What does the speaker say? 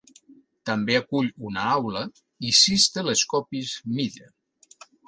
També acull una aula i sis telescopis Meade.